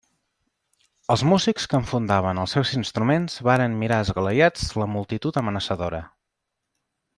Els músics que enfundaven els seus instruments varen mirar esglaiats la multitud amenaçadora.